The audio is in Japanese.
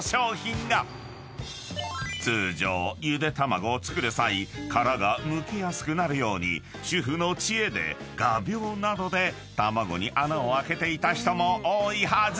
［通常ゆで卵を作る際殻がむけやすくなるように主婦の知恵で画びょうなどで卵に穴を開けていた人も多いはず。